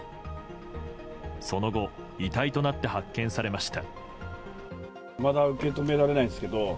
その後遺体となって発見されました。